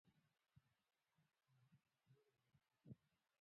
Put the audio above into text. په افغانستان کې کندز سیند ډېر اهمیت لري.